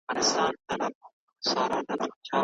فابریکي به په راتلونکي کي په دوامداره توګه کار کوي.